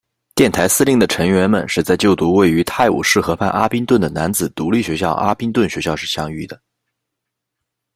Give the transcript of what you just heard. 电台司令的成员们是在就读位于泰晤士河畔阿宾顿的男子独立学校阿宾顿学校时相遇的。